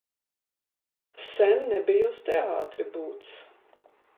Sen nebija uz teātri būts.